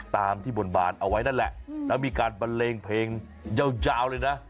ตามที่บนบานเอาไว้นั่นแหละแล้วมีการบันเลงเพลงยาวเลยนะ